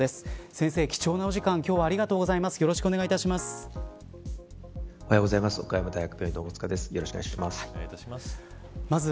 先生、貴重なお時間今日はありがとうございます。